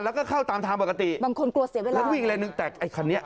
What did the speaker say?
แล้วก็เข้าตามทางปกติ